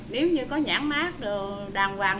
nếu như có nhãn mát đàng hoàng